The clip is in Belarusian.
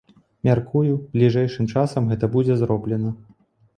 Мяркую, бліжэйшым часам гэта будзе зроблена.